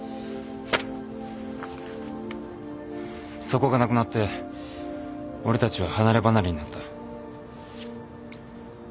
そこが無くなって俺たちは離れ離れになった。